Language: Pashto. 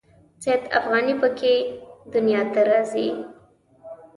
سید افغاني په کې دنیا ته راځي.